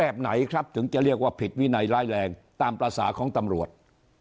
ไหนครับถึงจะเรียกว่าผิดวินัยร้ายแรงตามภาษาของตำรวจ